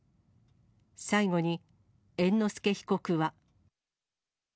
最後に、猿之助被告は。